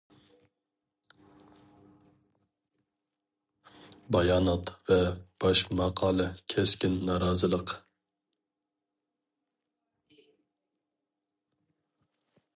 بايانات ۋە باش ماقالە كەسكىن نارازىلىق!!!